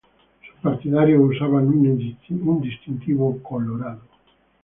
Sus partidarios usaban un distintivo colorado.